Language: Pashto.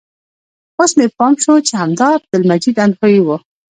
اوس مې پام شو چې همدا عبدالمجید اندخویي و.